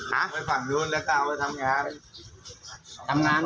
ไปฟังยุ่นแล้วตามไปทำงาน